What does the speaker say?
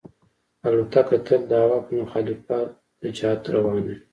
الوتکه تل د هوا په مخالف جهت روانه وي.